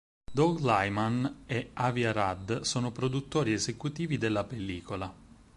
Doug Liman e Avi Arad sono produttori esecutivi della pellicola.